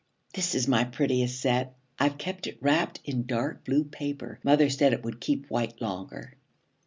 'This is my prettiest set. I've kept it wrapped in dark blue paper. Mother said it would keep white longer.'